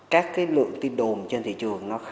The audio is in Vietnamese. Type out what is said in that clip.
các lượng tinh đồn trên thị trường